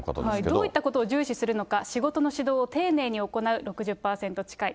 どういったことを重視するのか、仕事の指導を丁寧に行う、６０％近い。